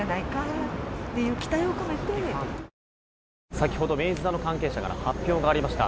先ほど明治座の関係者から発表がありました。